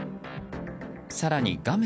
更に画面